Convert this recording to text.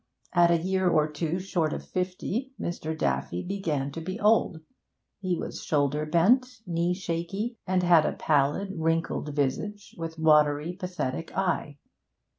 At a year or two short of fifty, Mr. Daffy began to be old; he was shoulder bent, knee shaky, and had a pallid, wrinkled visage, with watery, pathetic eye.